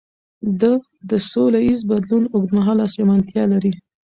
ده د سولهییز بدلون اوږدمهاله ژمنتیا لري.